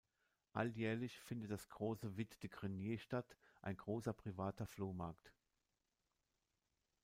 Alljährlich findet das große "Vide de Grenier" statt, ein großer, privater Flohmarkt.